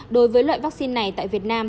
đối với loại vaccine này tại việt nam